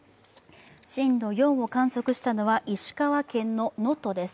震度４を観測したのは石川県の能登です。